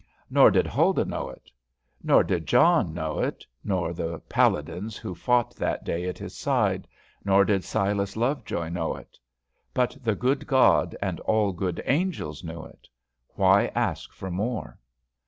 Nor did Huldah know it. Nor did John know it, nor the paladins who fought that day at his side. Nor did Silas Lovejoy know it. But the good God and all good angels knew it. Why ask for more?